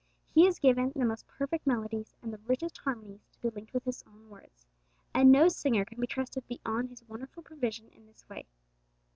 He has given the most perfect melodies and the richest harmonies to be linked with His own words, and no singer can be trained beyond His wonderful provision in this way.